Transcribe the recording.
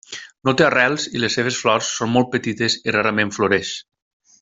No té arrels i les seves flors són molt petites i rarament floreix.